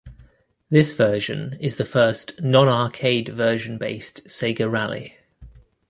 This version is the first non-arcade-version-based Sega Rally.